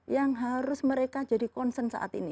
yang harus mereka jadi concern saat ini